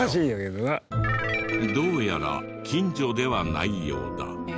どうやら近所ではないようだ。